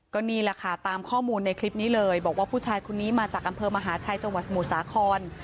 ก็นี่แหละค่ะตามข้อมูลในคลิปนี้เลยบอกว่าผู้ชายคนนี้มาจากอำเภอมหาชัยจังหวัดสมุทรสาคร